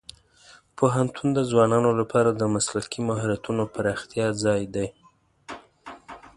پوهنتون د ځوانانو لپاره د مسلکي مهارتونو پراختیا ځای دی.